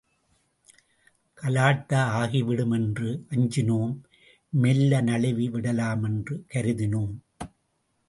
கலாட்டா ஆகி விடுமென்று அஞ்சினோம், மெல்ல நழுவி விடலாமாவென்று கருதினோம்.